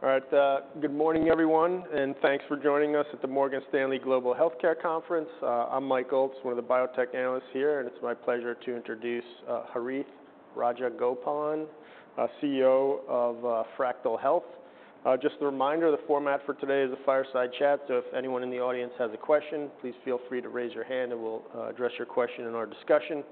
All right, good morning, everyone, and thanks for joining us at the Morgan Stanley Global Healthcare Conference. I'm Mike Ulz, one of the Biotech Analysts here, and it's my pleasure to introduce Harith Rajagopalan, CEO of Fractyl Health. Just a reminder, the format for today is a fireside chat, so if anyone in the audience has a question, please feel free to raise your hand and we'll address your question in our discussion.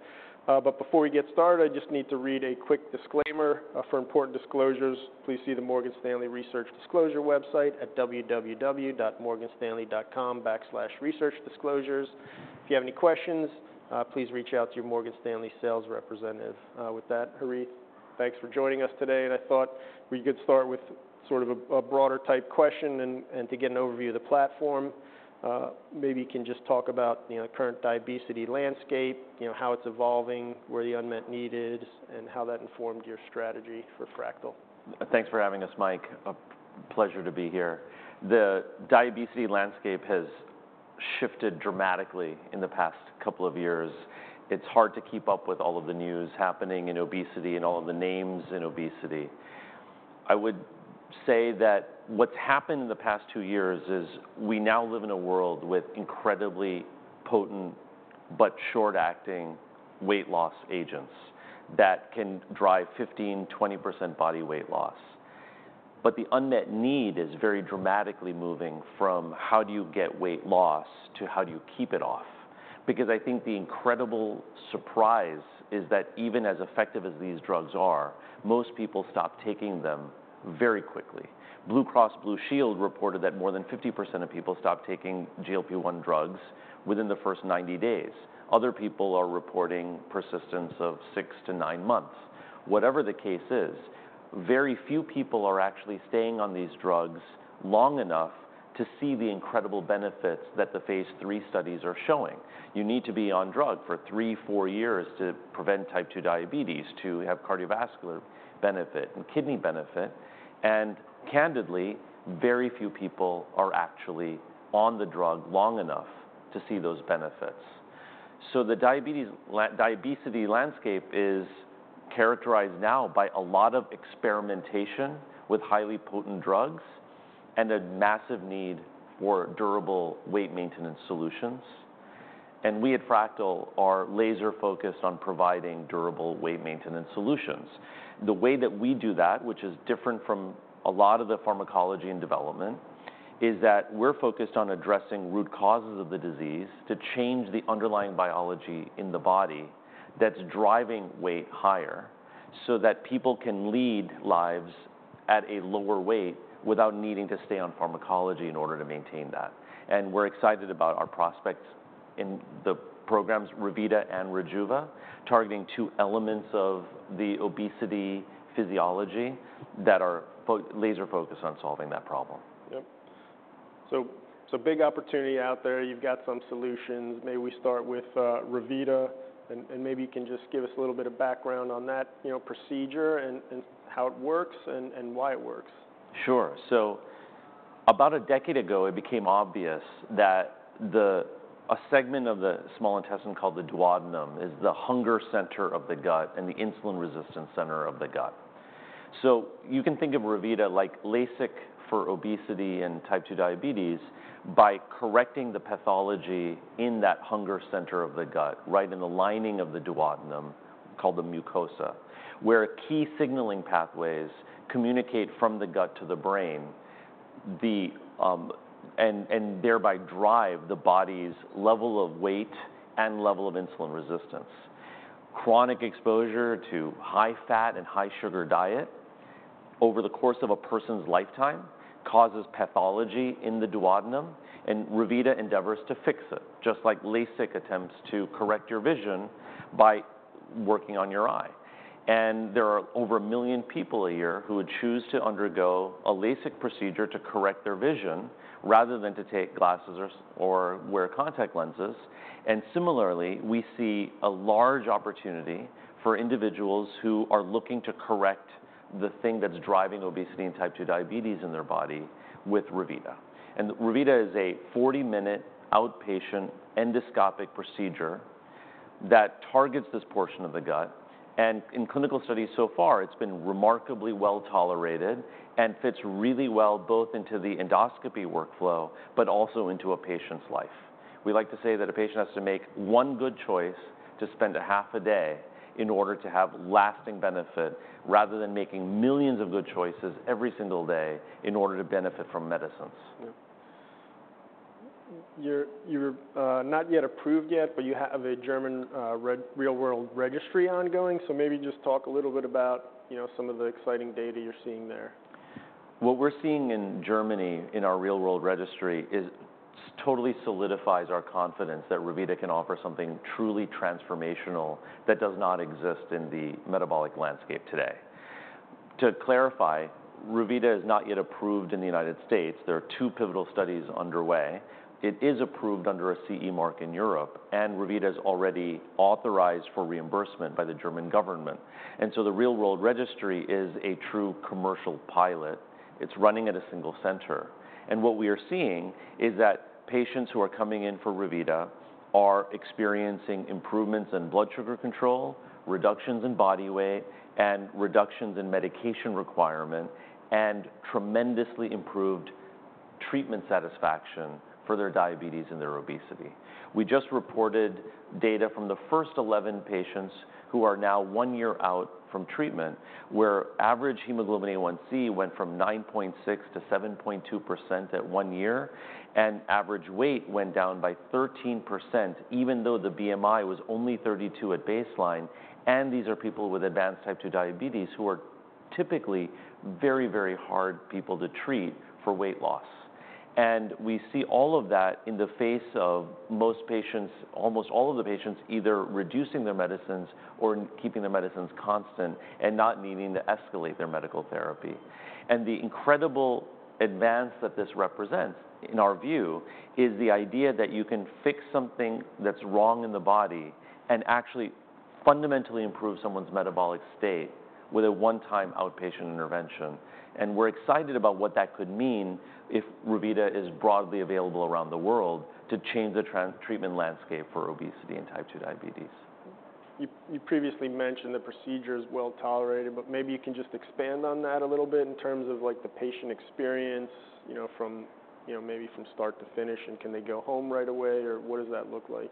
But before we get started, I just need to read a quick disclaimer. "For important disclosures, please see the Morgan Stanley Research Disclosure website at www.morganstanley.com/researchdisclosures. If you have any questions, please reach out to your Morgan Stanley's sales representative. With that, Harith, thanks for joining us today, and I thought we could start with sort of a broader type question and to get an overview of the platform. Maybe you can just talk about, you know, the current diabesity landscape, you know, how it's evolving, where are the unmet needs, and how that informed your strategy for Fractyl. Thanks for having us, Mike. A pleasure to be here. The diabesity landscape has shifted dramatically in the past couple of years. It's hard to keep up with all of the news happening in obesity and all of the names in obesity. I would say that what's happened in the past two years is we now live in a world with incredibly potent but short-acting weight loss agents that can drive 15%-20% body weight loss. But the unmet need is very dramatically moving from how do you get weight loss to how do you keep it off? Because I think the incredible surprise is that even as effective as these drugs are, most people stop taking them very quickly. Blue Cross Blue Shield reported that more than 50% of people stopped taking GLP-1 drugs within the first 90 days. Other people are reporting persistence of six to nine months. Whatever the case is, very few people are actually staying on these drugs long enough to see the incredible benefits that the phase III studies are showing. You need to be on drug for three, four years to prevent type 2 diabetes, to have cardiovascular benefit and kidney benefit, and candidly, very few people are actually on the drug long enough to see those benefits. So the diabetes... diabesity landscape is characterized now by a lot of experimentation with highly potent drugs and a massive need for durable weight maintenance solutions. And we at Fractyl are laser-focused on providing durable weight maintenance solutions. The way that we do that, which is different from a lot of the pharmacology and development, is that we're focused on addressing root causes of the disease to change the underlying biology in the body that's driving weight higher, so that people can lead lives at a lower weight without needing to stay on pharmacology in order to maintain that, and we're excited about our prospects in the programs, Revita and Rejuva, targeting two elements of the obesity physiology that are laser-focused on solving that problem. Yep. So big opportunity out there. You've got some solutions. May we start with Revita, and maybe you can just give us a little bit of background on that, you know, procedure, and how it works and why it works. Sure. So about a decade ago, it became obvious that a segment of the small intestine called the duodenum is the hunger center of the gut and the insulin resistance center of the gut. So you can think of Revita like LASIK for obesity and type two diabetes by correcting the pathology in that hunger center of the gut, right in the lining of the duodenum, called the mucosa, where key signaling pathways communicate from the gut to the brain, and thereby drive the body's level of weight and level of insulin resistance. Chronic exposure to high fat and high sugar diet over the course of a person's lifetime causes pathology in the duodenum, and Revita endeavors to fix it, just like LASIK attempts to correct your vision by working on your eye. There are over a million people a year who would choose to undergo a LASIK procedure to correct their vision, rather than to take glasses or wear contact lenses. Similarly, we see a large opportunity for individuals who are looking to correct the thing that's driving obesity and type 2 diabetes in their body with Revita. Revita is a 40-minute, outpatient endoscopic procedure that targets this portion of the gut, and in clinical studies so far, it's been remarkably well-tolerated and fits really well both into the endoscopy workflow, but also into a patient's life. We like to say that a patient has to make one good choice to spend a half a day in order to have lasting benefit, rather than making millions of good choices every single day in order to benefit from medicines. Yep. You're not yet approved yet, but you have a German real-world registry ongoing. So maybe just talk a little bit about, you know, some of the exciting data you're seeing there. What we're seeing in Germany, in our real-world registry, is totally solidifies our confidence that Revita can offer something truly transformational that does not exist in the metabolic landscape today. To clarify, Revita is not yet approved in the United States. There are two pivotal studies underway. It is approved under a CE mark in Europe, and Revita is already authorized for reimbursement by the German government, and so the real-world registry is a true commercial pilot. It's running at a single center, and what we are seeing is that patients who are coming in for Revita are experiencing improvements in blood sugar control, reductions in body weight, and reductions in medication requirement, and tremendously improved treatment satisfaction for their diabetes and their obesity. We just reported data from the first 11 patients who are now one year out from treatment, where average hemoglobin A1c went from 9.6%-7.2% at one year, and average weight went down by 13%, even though the BMI was only 32 at baseline, and these are people with advanced type 2 diabetes, who are typically very, very hard people to treat for weight loss, and we see all of that in the face of most patients, almost all of the patients, either reducing their medicines or keeping their medicines constant and not needing to escalate their medical therapy, and the incredible advance that this represents, in our view, is the idea that you can fix something that's wrong in the body and actually fundamentally improve someone's metabolic state with a one-time outpatient intervention. And we're excited about what that could mean if Revita is broadly available around the world to change the treatment landscape for obesity and type 2 diabetes. You previously mentioned the procedure is well-tolerated, but maybe you can just expand on that a little bit in terms of, like, the patient experience, you know, from, you know, maybe from start to finish, and can they go home right away, or what does that look like?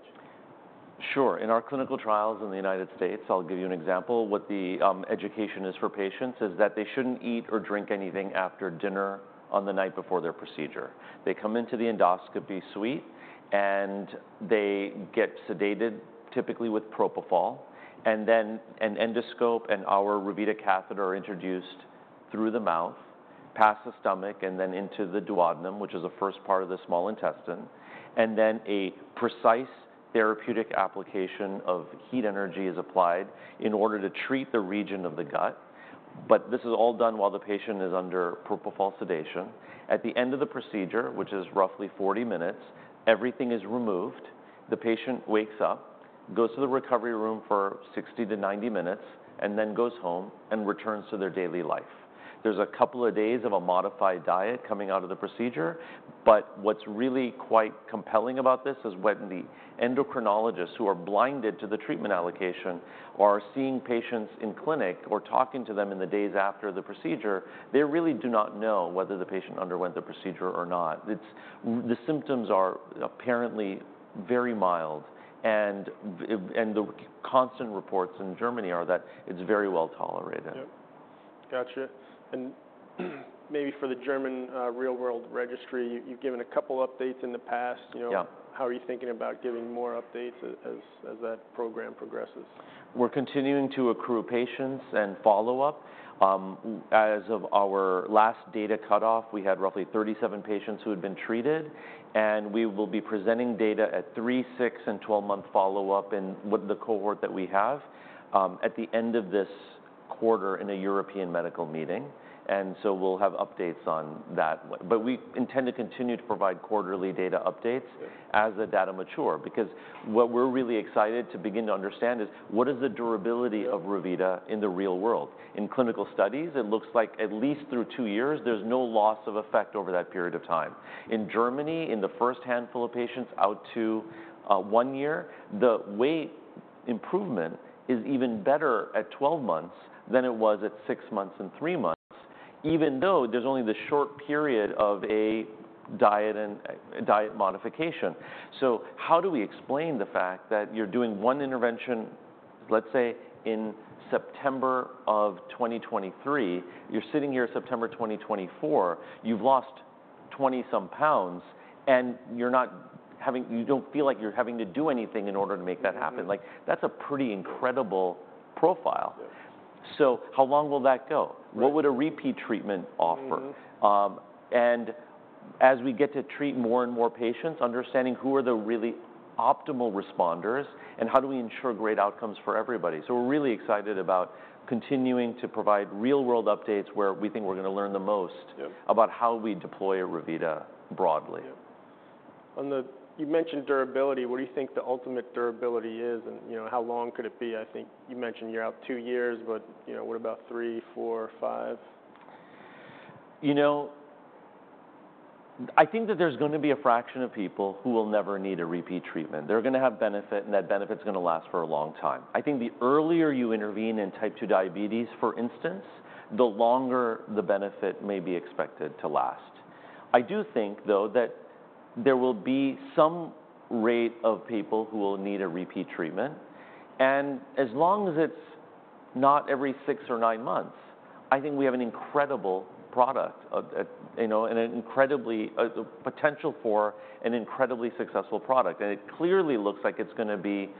Sure. In our clinical trials in the United States, I'll give you an example. What the education is for patients, is that they shouldn't eat or drink anything after dinner on the night before their procedure. They come into the endoscopy suite, and they get sedated, typically with propofol. And then an endoscope and our Revita catheter are introduced through the mouth, past the stomach, and then into the duodenum, which is the first part of the small intestine. And then a precise therapeutic application of heat energy is applied in order to treat the region of the gut, but this is all done while the patient is under propofol sedation. At the end of the procedure, which is roughly 40 minutes, everything is removed. The patient wakes up, goes to the recovery room for 60-90 minutes, and then goes home and returns to their daily life. There's a couple of days of a modified diet coming out of the procedure, but what's really quite compelling about this is when the endocrinologists, who are blinded to the treatment allocation, are seeing patients in clinic or talking to them in the days after the procedure, they really do not know whether the patient underwent the procedure or not. It's the symptoms are apparently very mild, and the constant reports in Germany are that it's very well-tolerated. Yep. Gotcha. And maybe for the German real-world registry, you've given a couple updates in the past, you know? Yeah. How are you thinking about giving more updates as that program progresses? We're continuing to accrue patients and follow up. As of our last data cut-off, we had roughly 37 patients who had been treated, and we will be presenting data at three, six, and 12-month follow-up in with the cohort that we have, at the end of this quarter in a European medical meeting, and so we'll have updates on that. But we intend to continue to provide quarterly data updates- Yeah -as the data mature. Because what we're really excited to begin to understand is: What is the durability of Revita in the real world? In clinical studies, it looks like at least through two years, there's no loss of effect over that period of time. In Germany, in the first handful of patients out to one year, the weight improvement is even better at 12 months than it was at six months and three months, even though there's only the short period of a diet and diet modification. So how do we explain the fact that you're doing one intervention, let's say, in September of 2023, you're sitting here September 2024, you've lost 20-some pounds, and you're not having, you don't feel like you're having to do anything in order to make that happen? Mm-hmm. Like, that's a pretty incredible profile. Yes. So how long will that go? Right. What would a repeat treatment offer? Mm-hmm. And as we get to treat more and more patients, understanding who are the really optimal responders, and how do we ensure great outcomes for everybody? So we're really excited about continuing to provide real-world updates, where we think we're gonna learn the most- Yep -about how we deploy Revita broadly. Yep. On the, you mentioned durability. What do you think the ultimate durability is, and, you know, how long could it be? I think you mentioned you're out two years, but, you know, what about three, four, or five? You know, I think that there's gonna be a fraction of people who will never need a repeat treatment. They're gonna have benefit, and that benefit's gonna last for a long time. I think the earlier you intervene in type 2 diabetes, for instance, the longer the benefit may be expected to last. I do think, though, that there will be some rate of people who will need a repeat treatment, and as long as it's not every six or nine months, I think we have an incredible product, you know, and incredibly a potential for an incredibly successful product. And it clearly looks like it's gonna be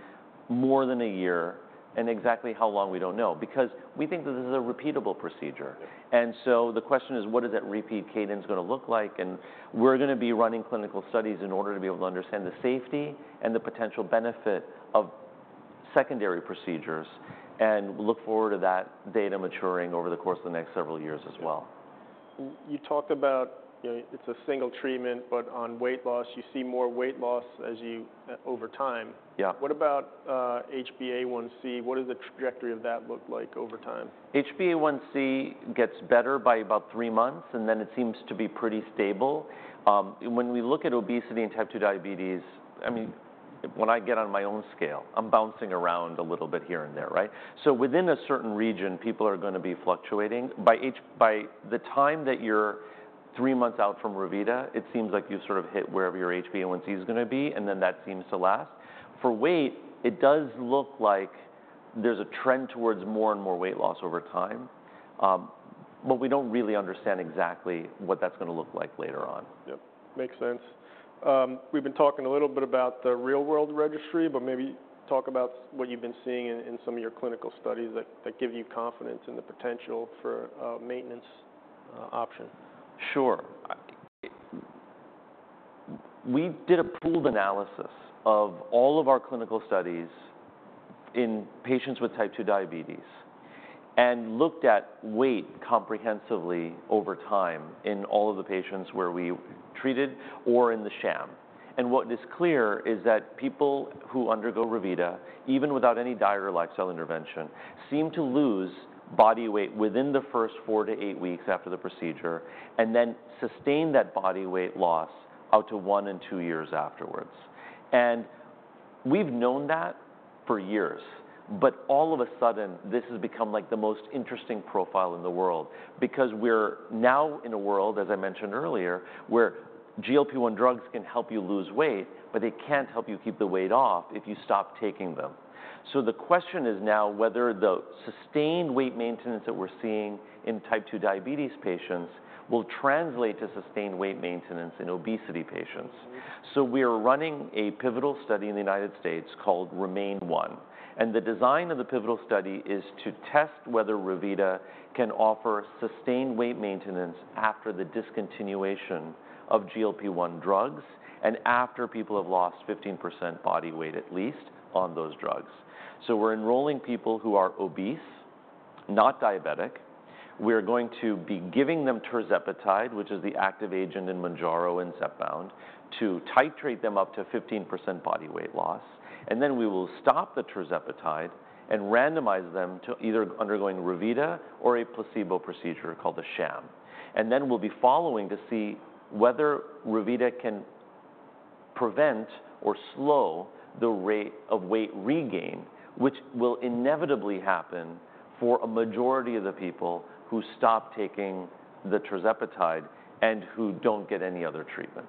more than a year, and exactly how long, we don't know. Because we think this is a repeatable procedure. Yeah And so the question is, what is that repeat cadence gonna look like? And we're gonna be running clinical studies in order to be able to understand the safety and the potential benefit of secondary procedures, and look forward to that data maturing over the course of the next several years as well. You talked about, you know, it's a single treatment, but on weight loss, you see more weight loss as you over time. Yeah. What about, HbA1c? What does the trajectory of that look like over time? HbA1c gets better by about three months, and then it seems to be pretty stable. When we look at obesity and type 2 diabetes, I mean, when I get on my own scale, I'm bouncing around a little bit here and there, right? So within a certain region, people are gonna be fluctuating. By the time that you're three months out from Revita, it seems like you sort of hit wherever your HbA1c is gonna be, and then that seems to last. For weight, it does look like there's a trend towards more and more weight loss over time, but we don't really understand exactly what that's gonna look like later on. Yep, makes sense. We've been talking a little bit about the real world registry, but maybe talk about what you've been seeing in some of your clinical studies that give you confidence in the potential for a maintenance option. Sure. We did a pooled analysis of all of our clinical studies in patients with type 2 diabetes, and looked at weight comprehensively over time in all of the patients where we treated or in the sham. And what is clear is that people who undergo Revita, even without any diet or lifestyle intervention, seem to lose body weight within the first four to eight weeks after the procedure, and then sustain that body weight loss out to one and two years afterwards. And we've known that for years, but all of a sudden, this has become, like, the most interesting profile in the world, because we're now in a world, as I mentioned earlier, where GLP-1 drugs can help you lose weight, but they can't help you keep the weight off if you stop taking them. So the question is now whether the sustained weight maintenance that we're seeing in type 2 diabetes patients will translate to sustained weight maintenance in obesity patients. Mm-hmm. We are running a pivotal study in the United States called REMAIN-1, and the design of the pivotal study is to test whether Revita can offer sustained weight maintenance after the discontinuation of GLP-1 drugs and after people have lost 15% body weight, at least, on those drugs. We're enrolling people who are obese, not diabetic. We're going to be giving them tirzepatide, which is the active agent in Mounjaro and Zepbound, to titrate them up to 15% body weight loss, and then we will stop the tirzepatide and randomize them to either undergoing Revita or a placebo procedure called the sham. Then we'll be following to see whether Revita can prevent or slow the rate of weight regain, which will inevitably happen for a majority of the people who stop taking the tirzepatide and who don't get any other treatment.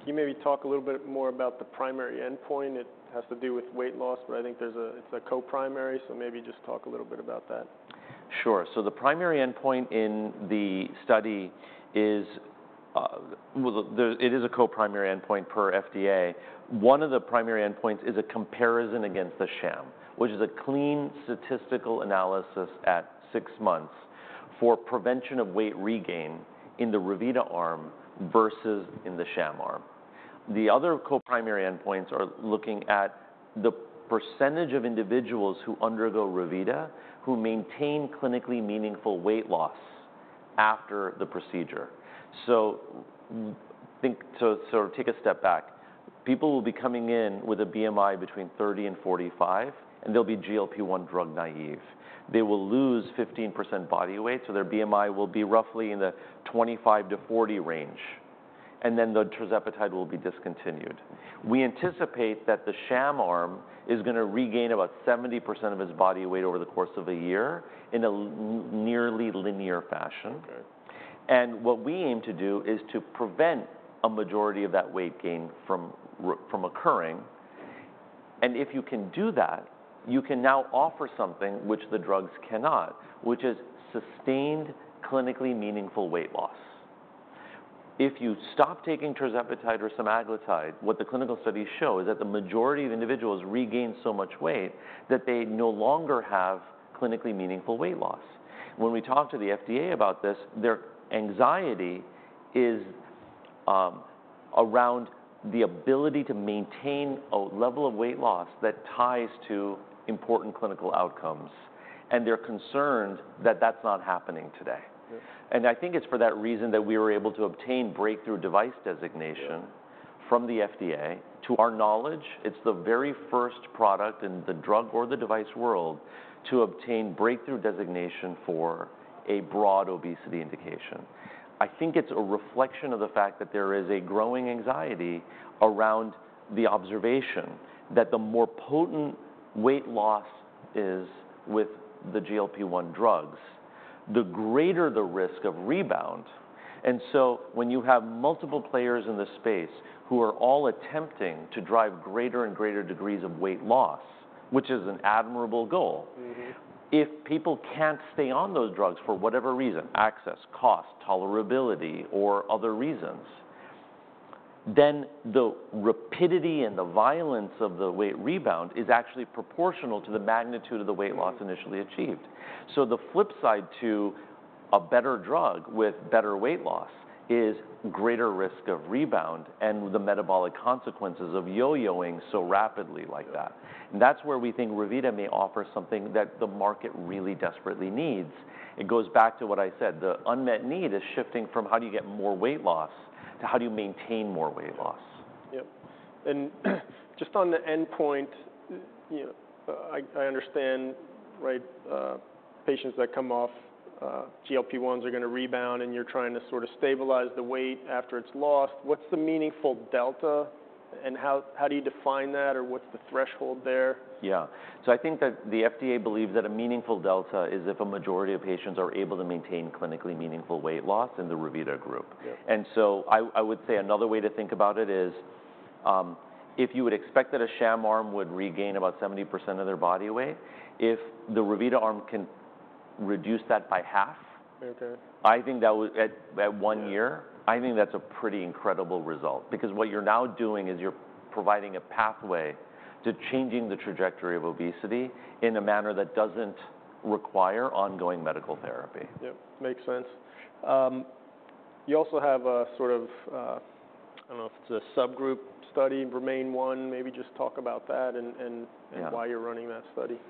Can you maybe talk a little bit more about the primary endpoint? It has to do with weight loss, but I think it's a co-primary, so maybe just talk a little bit about that. Sure. So the primary endpoint in the study is, it is a co-primary endpoint per FDA. One of the primary endpoints is a comparison against the sham, which is a clean statistical analysis at six months for prevention of weight regain in the Revita arm versus in the sham arm. The other co-primary endpoints are looking at the percentage of individuals who undergo Revita, who maintain clinically meaningful weight loss after the procedure. So take a step back. People will be coming in with a BMI between 30 and 45, and they'll be GLP-1 drug naive. They will lose 15% body weight, so their BMI will be roughly in the 25-40 range, and then the tirzepatide will be discontinued. We anticipate that the sham arm is gonna regain about 70% of his body weight over the course of a year in a nearly linear fashion. Okay. And what we aim to do is to prevent a majority of that weight gain from occurring, and if you can do that, you can now offer something which the drugs cannot, which is sustained, clinically meaningful weight loss. If you stop taking tirzepatide or semaglutide, what the clinical studies show is that the majority of individuals regain so much weight that they no longer have clinically meaningful weight loss. When we talk to the FDA about this, their anxiety is around the ability to maintain a level of weight loss that ties to important clinical outcomes, and they're concerned that that's not happening today. Yeah. I think it's for that reason that we were able to obtain Breakthrough Device Designation- Yeah -from the FDA. To our knowledge, it's the very first product in the drug or the device world to obtain breakthrough designation for a broad obesity indication. I think it's a reflection of the fact that there is a growing anxiety around the observation that the more potent weight loss is with the GLP-1 drugs, the greater the risk of rebound. And so when you have multiple players in this space who are all attempting to drive greater and greater degrees of weight loss, which is an admirable goal. Mm-hmm If people can't stay on those drugs for whatever reason, access, cost, tolerability, or other reasons, then the rapidity and the violence of the weight rebound is actually proportional to the magnitude of the weight loss initially achieved. So the flip side to a better drug with better weight loss is greater risk of rebound and the metabolic consequences of yo-yoing so rapidly like that. Yeah. That's where we think Revita may offer something that the market really desperately needs. It goes back to what I said, the unmet need is shifting from how do you get more weight loss, to how do you maintain more weight loss? Yep. And just on the endpoint, you know, I understand, right, patients that come off GLP-1s are going to rebound, and you're trying to sort of stabilize the weight after it's lost. What's the meaningful delta, and how do you define that, or what's the threshold there? Yeah. So I think that the FDA believes that a meaningful delta is if a majority of patients are able to maintain clinically meaningful weight loss in the Revita group. Yeah. And so I would say another way to think about it is, if you would expect that a sham arm would regain about 70% of their body weight, if the Revita arm can reduce that by half. Okay I think that would at one year. Yeah I think that's a pretty incredible result. Because what you're now doing is you're providing a pathway to changing the trajectory of obesity in a manner that doesn't require ongoing medical therapy. Yep, makes sense. You also have a sort of, I don't know if it's a subgroup study in REMAIN-1. Maybe just talk about that, and- Yeah -and why you're running that study.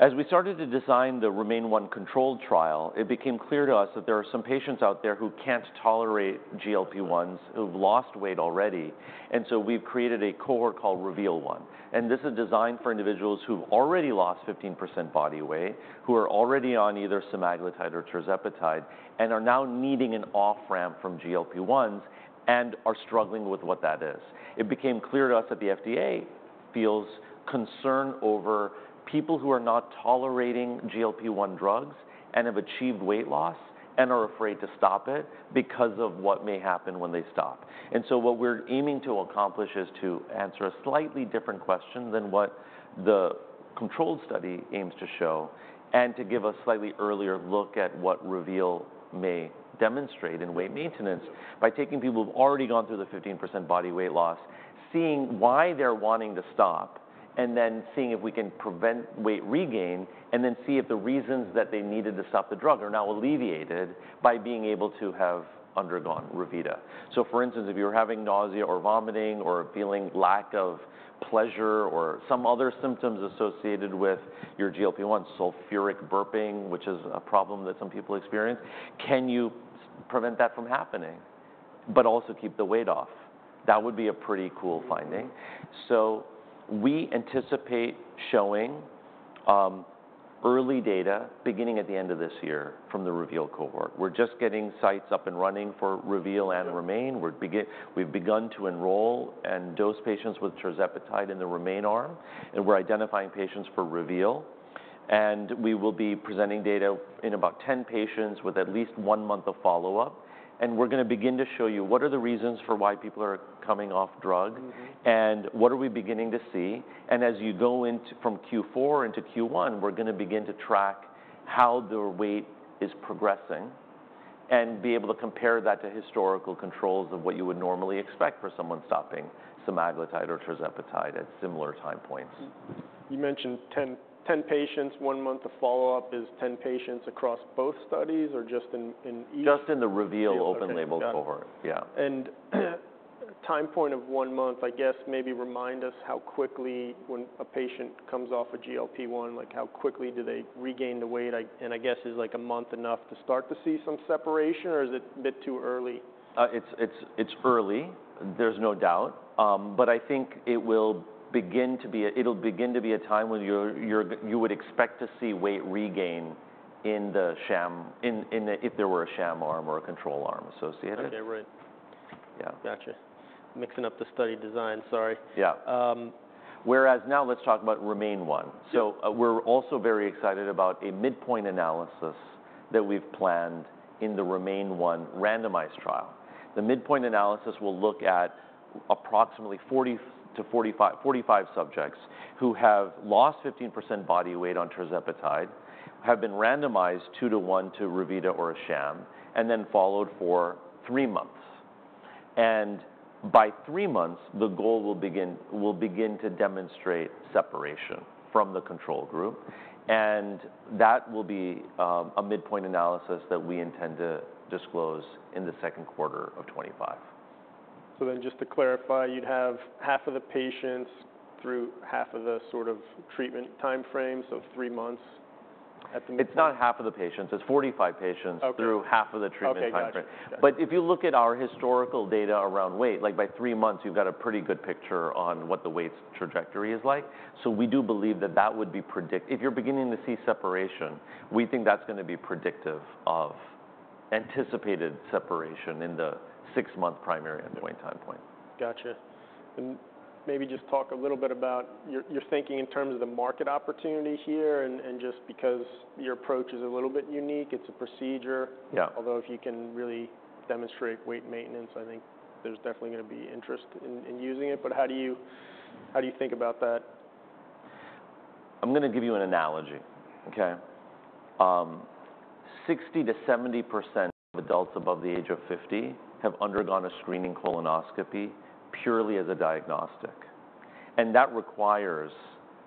As we started to design the REMAIN-1 controlled trial, it became clear to us that there are some patients out there who can't tolerate GLP-1s, who've lost weight already, and so we've created a cohort called REVEAL-1. And this is designed for individuals who've already lost 15% body weight, who are already on either semaglutide or tirzepatide, and are now needing an off-ramp from GLP-1s, and are struggling with what that is. It became clear to us that the FDA feels concerned over people who are not tolerating GLP-1 drugs, and have achieved weight loss, and are afraid to stop it, because of what may happen when they stop. And so what we're aiming to accomplish is to answer a slightly different question than what the controlled study aims to show, and to give a slightly earlier look at what REVEAL may demonstrate in weight maintenance. By taking people who've already gone through the 15% body weight loss, seeing why they're wanting to stop, and then seeing if we can prevent weight regain, and then see if the reasons that they needed to stop the drug are now alleviated by being able to have undergone Revita. So for instance, if you're having nausea or vomiting, or feeling lack of pleasure, or some other symptoms associated with your GLP-1 sulfuric burping, which is a problem that some people experience, can you prevent that from happening, but also keep the weight off? That would be a pretty cool finding. So we anticipate showing early data, beginning at the end of this year from the REVEAL cohort. We're just getting sites up and running for REVEAL and REMAIN. We've begun to enroll and dose patients with tirzepatide in the REMAIN arm, and we're identifying patients for REVEAL. We will be presenting data in about 10 patients with at least one month of follow-up, and we're going to begin to show you what are the reasons for why people are coming off drug. Mm-hmm And what are we beginning to see? As you go from Q4 into Q1, we're going to begin to track how their weight is progressing, and be able to compare that to historical controls of what you would normally expect for someone stopping semaglutide or tirzepatide at similar time points. You mentioned 10, 10 patients, one month of follow-up. Is 10 patients across both studies or just in each? Just in the REVEAL open-label- Yeah, okay. Got it. -cohort. Yeah. Time point of one month, I guess. Maybe remind us how quickly, when a patient comes off a GLP-1, like, how quickly do they regain the weight? And I guess, is a month enough to start to see some separation, or is it a bit too early? It's early, there's no doubt. But I think it'll begin to be a time when you would expect to see weight regain in the sham, if there were a sham arm or a control arm associated. Okay, right. Yeah. Gotcha. Mixing up the study design. Sorry. Yeah. Um Whereas now, let's talk about REMAIN-1. Yeah. So, we're also very excited about a midpoint analysis that we've planned in the REMAIN-1 randomized trial. The midpoint analysis will look at approximately 40-45 subjects who have lost 15% body weight on tirzepatide, have been randomized two to one to Revita or a sham, and then followed for three months. And by three months, the goal will begin to demonstrate separation from the control group, and that will be a midpoint analysis that we intend to disclose in the second quarter of 2025. So then, just to clarify, you'd have half of the patients through half of the sort of treatment time frame, so three months at the most. It's not half of the patients, it's 45 patients- Okay -through half of the treatment time frame. Okay, gotcha. But if you look at our historical data around weight, like, by three months, you've got a pretty good picture on what the weight's trajectory is like. So we do believe that that would be predictive. If you're beginning to see separation, we think that's going to be predictive of anticipated separation in the six-month primary endpoint time point. Gotcha. And maybe just talk a little bit about your thinking in terms of the market opportunity here, and just because your approach is a little bit unique, it's a procedure. Yeah. Although if you can really demonstrate weight maintenance, I think there's definitely going to be interest in using it. But how do you think about that? I'm going to give you an analogy, okay? 60%-70% of adults above the age of 50 have undergone a screening colonoscopy purely as a diagnostic, and that requires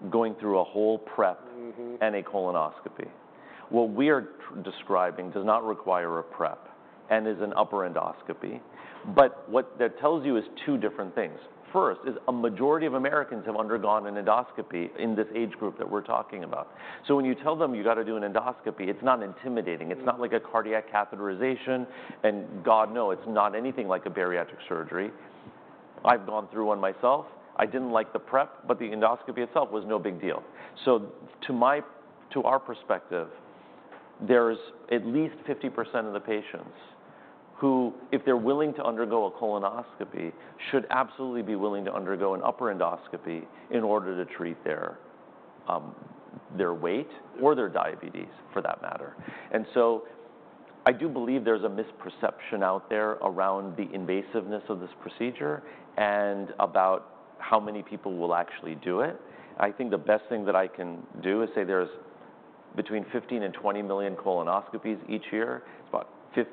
going through a whole prep- Mm-hmm -and a colonoscopy. What we are describing does not require a prep and is an upper endoscopy, but what that tells you is two different things. First, a majority of Americans have undergone an endoscopy in this age group that we're talking about. So when you tell them you've got to do an endoscopy, it's not intimidating. Mm-hmm. It's not like a cardiac catheterization, and God, no, it's not anything like a bariatric surgery. I've gone through one myself. I didn't like the prep, but the endoscopy itself was no big deal. So to my, to our perspective, there's at least 50% of the patients who, if they're willing to undergo a colonoscopy, should absolutely be willing to undergo an upper endoscopy in order to treat their their weight or their diabetes, for that matter. And so I do believe there's a misperception out there around the invasiveness of this procedure and about how many people will actually do it. I think the best thing t hat I can do is say there's between 15 million and 20 million colonoscopies each year, about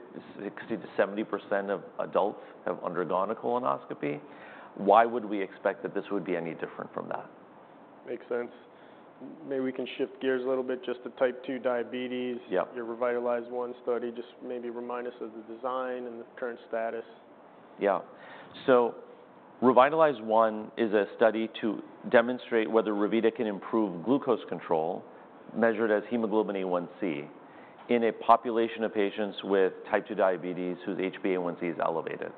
60%-70% of adults have undergone a colonoscopy. Why would we expect that this would be any different from that? Makes sense. Maybe we can shift gears a little bit just to type 2 diabetes. Yeah. Your REVITALIZE-1 study, just maybe remind us of the design and the current status? Yeah. So REVITALIZE-1 is a study to demonstrate whether Revita can improve glucose control, measured as hemoglobin A1c, in a population of patients with type 2 diabetes, whose HbA1c is elevated.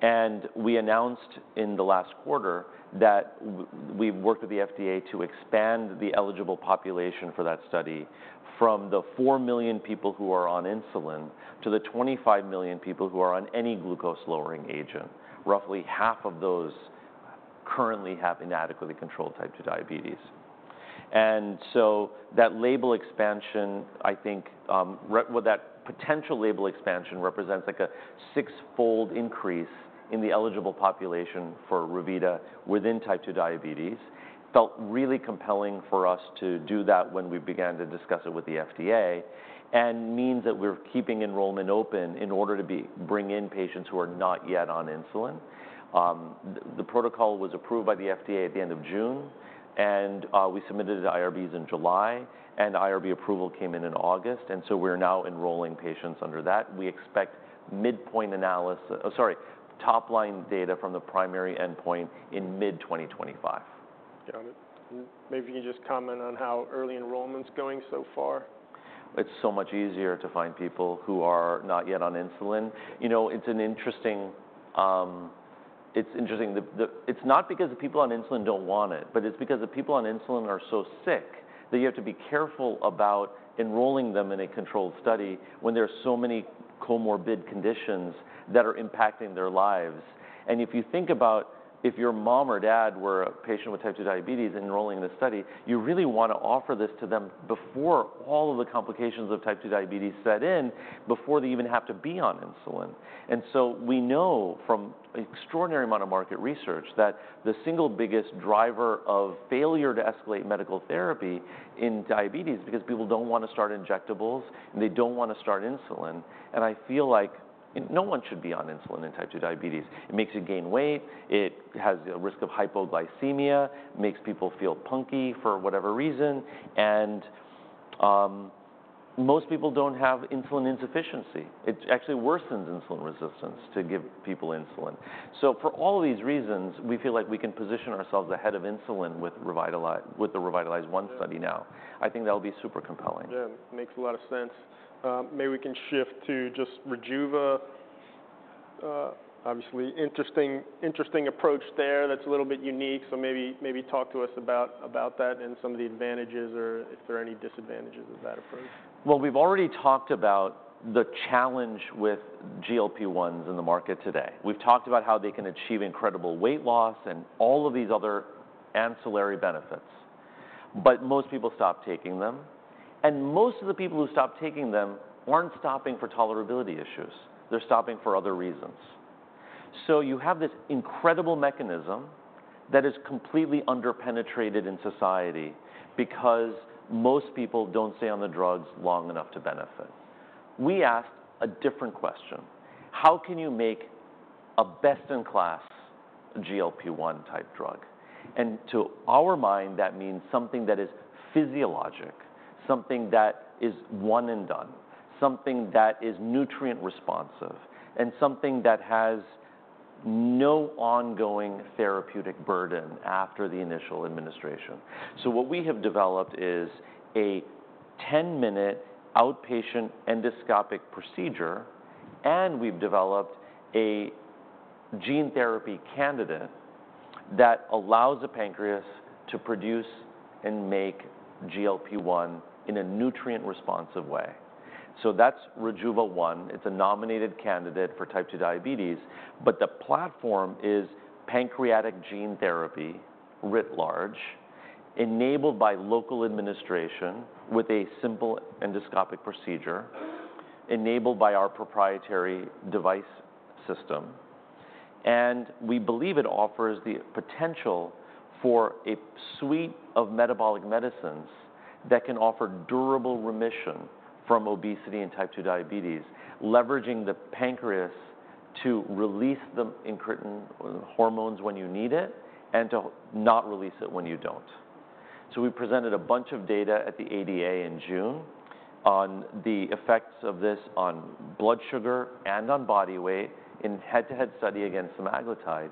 And we announced in the last quarter that we've worked with the FDA to expand the eligible population for that study from the four million people who are on insulin to the 25 million people who are on any glucose-lowering agent. Roughly half of those currently have inadequately controlled type 2 diabetes. And so that label expansion, I think, well, that potential label expansion represents, like, a sixfold increase in the eligible population for Revita within type 2 diabetes. Felt really compelling for us to do that when we began to discuss it with the FDA, and means that we're keeping enrollment open in order to bring in patients who are not yet on insulin. The protocol was approved by the FDA at the end of June, and we submitted the IRBs in July, and IRB approval came in in August, and so we're now enrolling patients under that. We expect midpoint analysis. Oh, sorry, top-line data from the primary endpoint in mid 2025. Got it. Maybe you can just comment on how early enrollments going so far? It's so much easier to find people who are not yet on insulin. You know, it's interesting that it's not because the people on insulin don't want it, but it's because the people on insulin are so sick that you have to be careful about enrolling them in a controlled study when there are so many comorbid conditions that are impacting their lives, and if you think about if your mom or dad were a patient with type 2 diabetes enrolling in this study, you really want to offer this to them before all of the complications of type 2 diabetes set in, before they even have to be on insulin. And so we know from an extraordinary amount of market research that the single biggest driver of failure to escalate medical therapy in diabetes, because people don't want to start injectables, and they don't want to start insulin, and I feel like no one should be on insulin in type 2 diabetes. It makes you gain weight, it has the risk of hypoglycemia, makes people feel punky for whatever reason, and most people don't have insulin insufficiency. It actually worsens insulin resistance to give people insulin. So for all of these reasons, we feel like we can position ourselves ahead of insulin with the REVITALIZE-1 study now. I think that'll be super compelling. Yeah, makes a lot of sense. Maybe we can shift to just Rejuva. Obviously, interesting approach there that's a little bit unique, so maybe talk to us about that and some of the advantages, or if there are any disadvantages of that approach. We've already talked about the challenge with GLP-1s in the market today. We've talked about how they can achieve incredible weight loss and all of these other ancillary benefits. But most people stop taking them, and most of the people who stop taking them aren't stopping for tolerability issues, they're stopping for other reasons. So you have this incredible mechanism that is completely under-penetrated in society because most people don't stay on the drugs long enough to benefit. We asked a different question: How can you make a best-in-class GLP-1 type drug? And to our mind, that means something that is physiologic, something that is one and done, something that is nutrient responsive, and something that has no ongoing therapeutic burden after the initial administration. So what we have developed is a ten-minute outpatient endoscopic procedure, and we've developed a gene therapy candidate that allows the pancreas to produce and make GLP-1 in a nutrient-responsive way. So that's Rejuva-1. It's a nominated candidate for type 2 diabetes, but the platform is pancreatic gene therapy, writ large, enabled by local administration with a simple endoscopic procedure, enabled by our proprietary device system. And we believe it offers the potential for a suite of metabolic medicines that can offer durable remission from obesity and type 2 diabetes, leveraging the pancreas to release the incretin hormones when you need it and to not release it when you don't. So we presented a bunch of data at the ADA in June on the effects of this on blood sugar and on body weight in head-to-head study against semaglutide,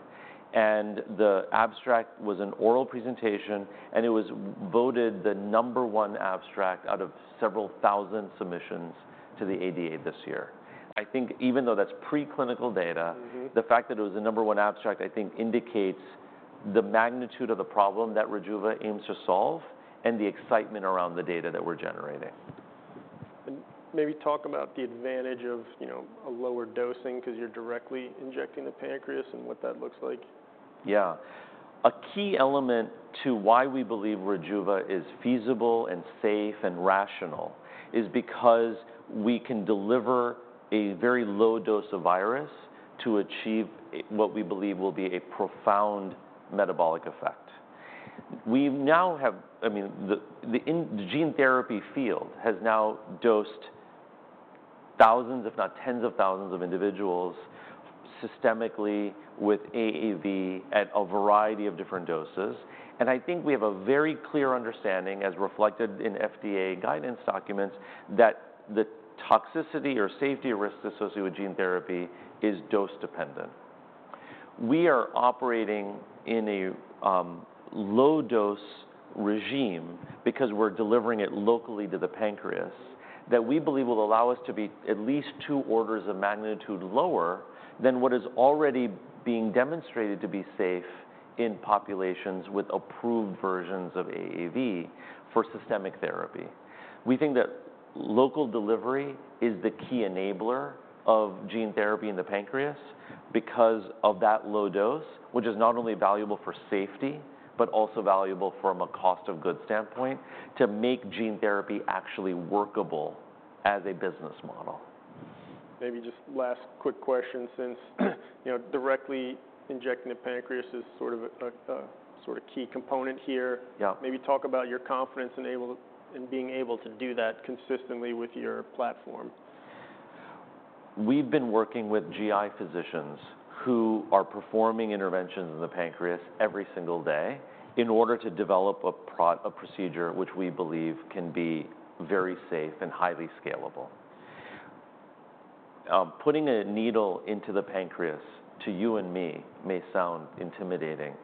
and the abstract was an oral presentation, and it was voted the number one abstract out of several thousand submissions to the ADA this year. I think even though that's preclinical data- Mm-hmm ...the fact that it was the number one abstract, I think, indicates the magnitude of the problem that Rejuva aims to solve, and the excitement around the data that we're generating. And maybe talk about the advantage of, you know, a lower dosing, 'cause you're directly injecting the pancreas, and what that looks like. Yeah. A key element to why we believe Rejuva is feasible, and safe, and rational, is because we can deliver a very low dose of virus to achieve what we believe will be a profound metabolic effect. I mean, the gene therapy field has now dosed thousands, if not tens of thousands, of individuals systemically with AAV at a variety of different doses. And I think we have a very clear understanding, as reflected in FDA guidance documents, that the toxicity or safety risk associated with gene therapy is dose-dependent. We are operating in a low-dose regime because we're delivering it locally to the pancreas, that we believe will allow us to be at least two orders of magnitude lower than what is already being demonstrated to be safe in populations with approved versions of AAV for systemic therapy. We think that local delivery is the key enabler of gene therapy in the pancreas because of that low dose, which is not only valuable for safety, but also valuable from a cost of goods standpoint, to make gene therapy actually workable as a business model. Maybe just last quick question, since, you know, directly injecting the pancreas is sort of a sort of key component here. Yeah. Maybe talk about your confidence in being able to do that consistently with your platform. We've been working with GI physicians who are performing interventions in the pancreas every single day in order to develop a procedure which we believe can be very safe and highly scalable. Putting a needle into the pancreas, to you and me, may sound intimidating,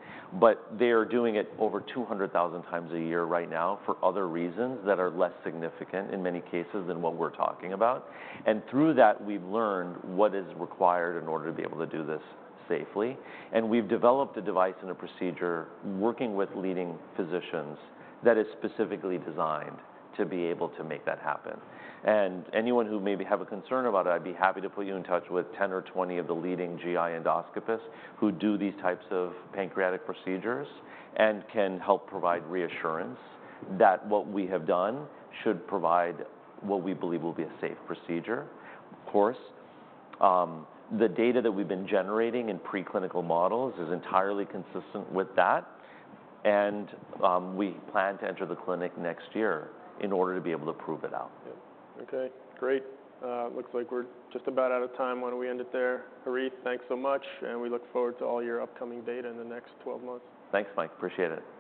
but they are doing it over 200,000x a year right now for other reasons that are less significant, in many cases, than what we're talking about, and through that, we've learned what is required in order to be able to do this safely, and we've developed a device and a procedure, working with leading physicians, that is specifically designed to be able to make that happen. And anyone who maybe have a concern about it, I'd be happy to put you in touch with 10 or 20 of the leading GI endoscopists who do these types of pancreatic procedures and can help provide reassurance that what we have done should provide what we believe will be a safe procedure. Of course, the data that we've been generating in preclinical models is entirely consistent with that, and, we plan to enter the clinic next year in order to be able to prove it out. Yeah. Okay, great. Looks like we're just about out of time. Why don't we end it there? Harith, thanks so much, and we look forward to all your upcoming data in the next 12 months. Thanks, Mike. Appreciate it.